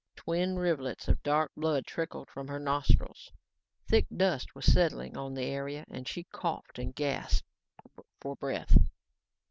Twin rivulets of dark blood trickled from her nostrils. Thick dust was settling on the area and she coughed and gasped for breath.